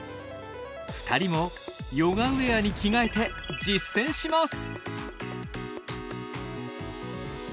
２人もヨガウエアに着替えて実践します！